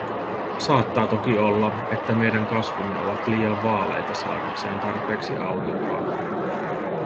Saattaa toki olla, että meidän kasvimme ovat liian vaaleita saadakseen tarpeeksi aurinkoa.